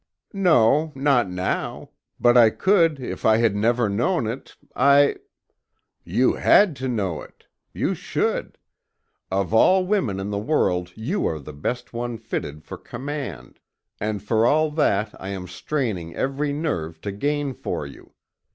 "No. Not now. But I could if I had never known it I " "You had to know it. You should. Of all women in the world you are the one best fitted for command, and for all that I am straining every nerve to gain for you.